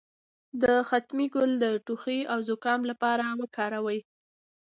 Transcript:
د ختمي ګل د ټوخي او زکام لپاره وکاروئ